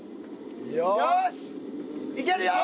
よしいけるよ！